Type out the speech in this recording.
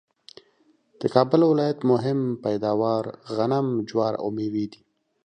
د کابل ولایت مهم پیداوار غنم ،جوار ، او مېوې دي